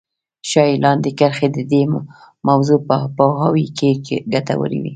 ښايي لاندې کرښې د دې موضوع په پوهاوي کې ګټورې وي.